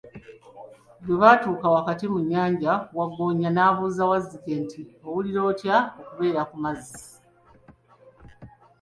Bwe batuuka wakati mu nnyanja, Waggoonya n'abuuza Wazzike nti, owulira otya okubeera ku mazzi?